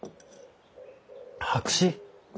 白紙？